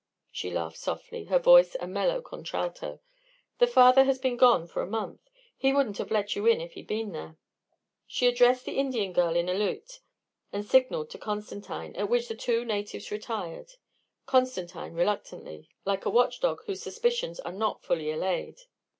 She laughed softly, her voice a mellow contralto. "The Father has been gone for a month; he wouldn't have let you in if he'd been there." She addressed the Indian girl in Aleut and signalled to Constantine, at which the two natives retired Constantine reluctantly, like a watch dog whose suspicions are not fully allayed.